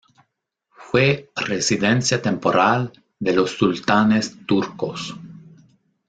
Fue residencia temporal de los sultanes turcos.